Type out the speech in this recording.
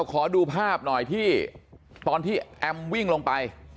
ขอดูภาพหน่อยที่ตอนที่แอมวิ่งลงไป